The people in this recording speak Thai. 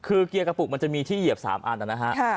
คือเกียร์กระปุกมันจะมีที่เหยียบ๓อันนะฮะ